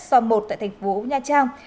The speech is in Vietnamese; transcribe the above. so một tại thành phố nha trang